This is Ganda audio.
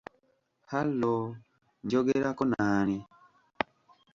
"Halo, njogerako n'ani?